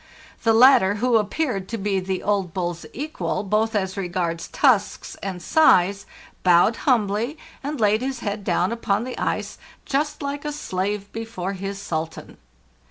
The latter, who appeared to be the old bull's equal both as regards tusks and size, bowed humbly, and laid his head down upon the ice just like a slave before his sultan.